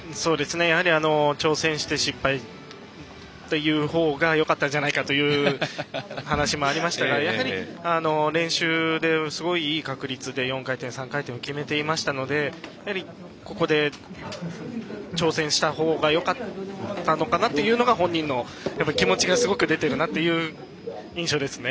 やはり挑戦して失敗というほうがよかったんじゃないかという話もありましたが、やはり練習ですごい、いい確率で４回転、３回転を決めていましたので、やはりここで、挑戦したほうがよかったのかなというのが本人の気持ちがすごく出ているなという印象ですね。